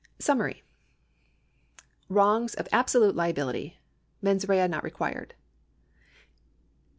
SUMMARY Wrongs of absolute liability — Mens rea not required.